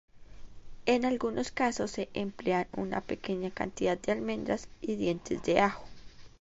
En algunos casos se emplean una pequeña cantidad de almendras y dientes de ajo.